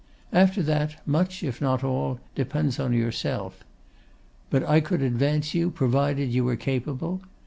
After that, much, if not all, depends on yourself. But I could advance you, provided you were capable.